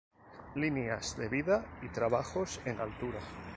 Líneas de Vida y trabajos en altura.